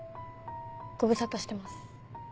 ご無沙汰してます。